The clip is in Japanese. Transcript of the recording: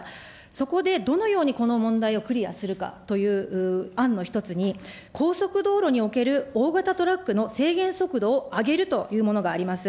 そこでどのようにこの問題をクリアするかという案の１つに、高速道路における大型トラックの制限速度を上げるというものがあります。